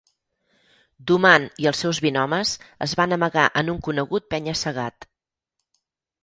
Dumand i els seus vint homes es van amagar en un conegut penya-segat.